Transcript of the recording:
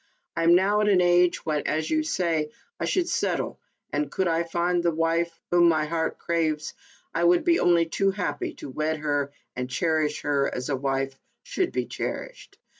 I am now at an age when, as you say, I should settle, and, could I find the wife whom my heart craves, I would be only too happy to wed her and cherish her as a wife should be cherished.